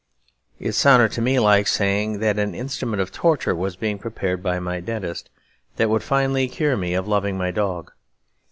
It sounded to me like saying that an instrument of torture was being prepared by my dentist, that would finally cure me of loving my dog.